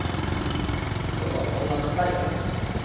今度はこんな機械が出てきました。